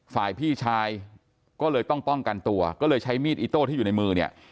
ฝ่ายพี่ชายก็เลยต้องป้องกันตัวก็เลยใช้มีดอิโต้ที่อยู่ในมือเนี่ย